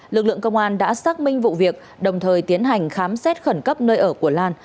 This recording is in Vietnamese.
lực lượng công an đã xác minh vụ việc đồng thời tiến hành khám xét khẩn cấp nơi ở của lan